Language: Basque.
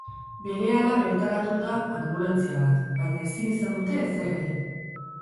Berehala bertaratu da anbulantzia bat baina ezin izan dute ezer egin.